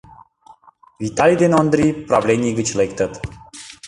Виталий ден Ондрий правлений гыч лектыт.